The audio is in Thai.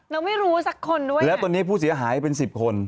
แล้วไม่รู้สักคนด้วยแล้วตอนนี้ผู้เสียหายเป็นสิบคน